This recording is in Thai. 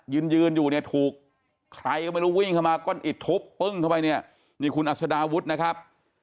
ยืนยืนอยู่ถูกใครก็ไม่รู้วิ่งเข้ามาอิดทุบปึ้งกันมานี่คุณอสดาวุทธ์นะครับ